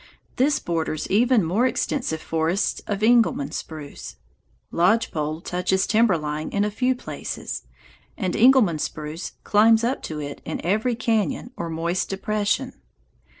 This borders even more extensive forests of Engelmann spruce. Lodge pole touches timber line in a few places, and Engelmann spruce climbs up to it in every cañon or moist depression.